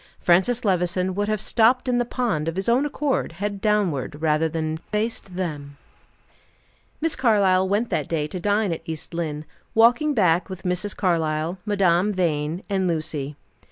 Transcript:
Francis Levison would have stopped in the pond, of his own accord, head downward, rather than face them. Miss Carlyle went that day to dine at East Lynne, walking back with Mrs. Carlyle, Madame Vine and Lucy.